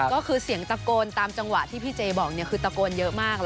ก็คือเสียงตะโกนตามจังหวะที่พี่เจบอกคือตะโกนเยอะมาก